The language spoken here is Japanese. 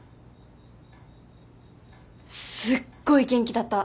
すっごい元気だった。